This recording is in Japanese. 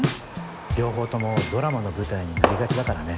両方ともドラマの舞台になりがちだからね。